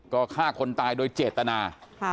ก็ฆ่าคนตายโดยเจตนา